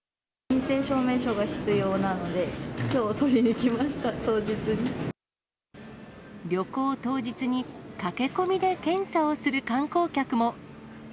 陰性証明書が必要なので、旅行当日に、駆け込みで検査をする観光客も。